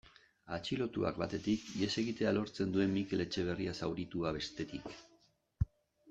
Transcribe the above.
Atxilotuak, batetik, ihes egitea lortzen duen Mikel Etxeberria zauritua, bestetik.